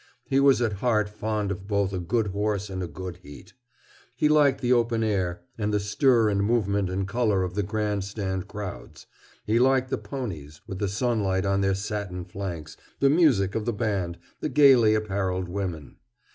He was at heart fond of both a good horse and a good heat. He liked the open air and the stir and movement and color of the grand stand crowds. He liked the "ponies" with the sunlight on their satin flanks, the music of the band, the gaily appareled women.